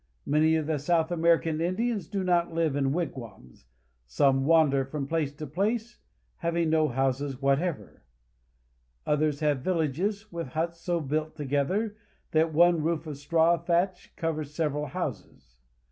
Many of the South American Indians do not live in wigwams. Some wander from place to place, having no houses whatever. Others have villages with huts so built together that one roof of straw thatch covers several Indian Family. houses.